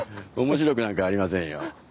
面白くなんかありませんよ